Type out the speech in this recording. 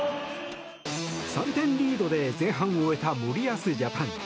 ３点リードで前半を終えた森保ジャパン。